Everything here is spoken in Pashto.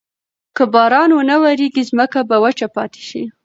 که باران ونه وریږي، ځمکه به وچه پاتې شي.